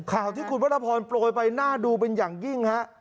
ข่าวที่คุณวรพรโปรยไปน่าดูเป็นอย่างยิ่งฮะ